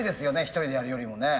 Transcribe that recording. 一人でやるよりもね。